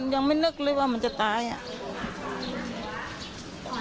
ยังไม่นึกเลยว่ามันจะตายอ่ะ